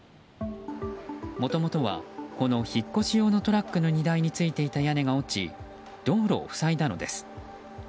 もともとはこの引っ越し用のトラックの荷台についていた屋根が落ち道路を塞いだのです。